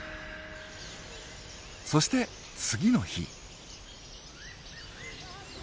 そして次の日。